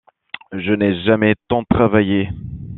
Je n'ai jamais tant travaillé.